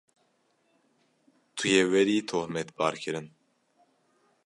Tu yê werî tohmetbarkirin.